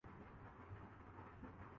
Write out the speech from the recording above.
سیاست میں جو کچھ تھے۔